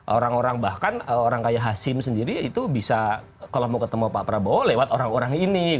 orang orang bahkan orang kayak hasim sendiri itu bisa kalau mau ketemu pak prabowo lewat orang orang ini